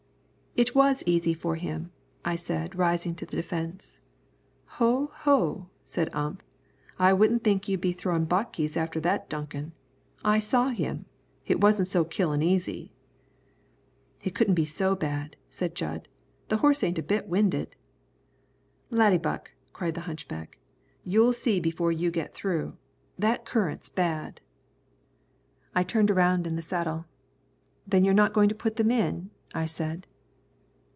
"It was easy for him," I said, rising to the defence. "Ho, ho," said Ump, "I wouldn't think you'd be throwin' bokays after that duckin'. I saw him. It wasn't so killin' easy." "It couldn't be so bad," said Jud; "the horse ain't a bit winded." "Laddiebuck," cried the hunchback, "you'll see before you get through. That current's bad." I turned around in the saddle. "Then you're not going to put them in?" I said.